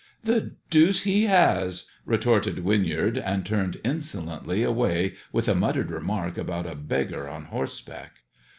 " The deuce he has !" retorted Winyard, and turned insolently away with a muttered remark about a beggar on horseback.